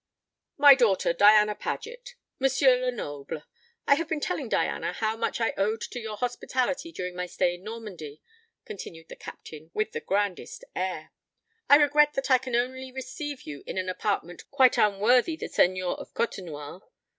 "My daughter, Diana Paget M. Lenoble. I have been telling Diana how much I owed to your hospitality during my stay in Normandy," continued the Captain, with his grandest air, "I regret that I can only receive you in an apartment quite unworthy the seigneur of Côtenoir.